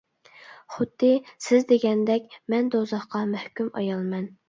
خۇددى سىز دېگەندەك مەن دوزاخقا مەھكۇم ئايالمەن.